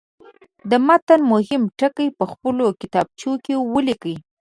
د متن مهم ټکي په خپلو کتابچو کې ولیکئ.